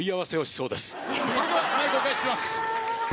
それではマイクお返しします。